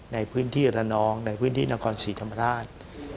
ในพื้นที่ระนองในพื้นที่นครศรีธรรมราช